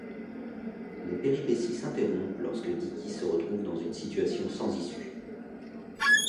Les péripéties s'interrompent lorsque Dickie se retrouve dans une situation sans issue.